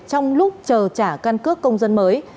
trong lúc chờ trả căn cước công dân mới